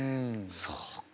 そうか。